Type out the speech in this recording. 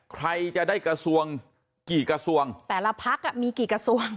ใครจะได้กระทรวงกี่กระทรวงแต่ละพักมีกี่กระทรวง